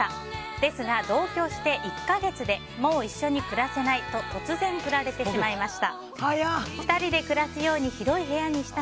ですが、同居して１か月でもう一緒に暮らせないと突然、フラれてしまいました。